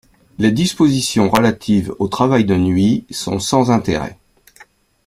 Les dispositions relatives au travail de nuit sont sans intérêt.